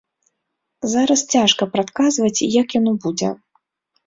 Зараз цяжка прадказваць, як яно будзе.